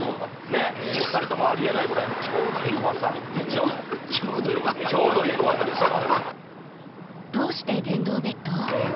ねっ２人ともありえないぐらいのちょうどいい怖さちょうどよかったのかちょうどいい怖さですよ